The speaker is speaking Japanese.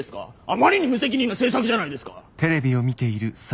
あまりに無責任な政策じゃないですか！